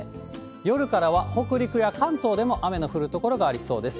夜からは北陸や関東でも雨の降る所がありそうです。